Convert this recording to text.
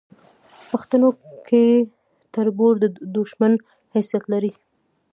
پښتنو کې تربور د دوشمن حیثت لري